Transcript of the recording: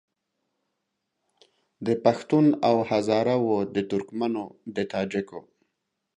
د پښتون او هزاره وو د ترکمنو د تاجکو